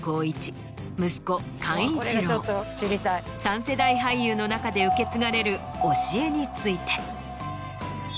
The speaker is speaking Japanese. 三世代俳優の中で受け継がれる教えについて。